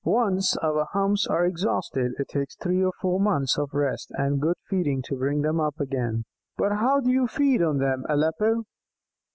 Once our humps are exhausted, it takes three or four months of rest and good feeding to bring them up again." "But how do you 'feed' on them, Aleppo?"